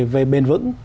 về bền vững